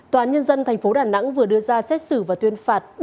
tòa án nhân dân tp đà nẵng vừa đưa ra xét xử và tuyên phạt